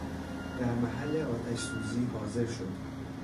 در محل آتشسوزی حاضر شد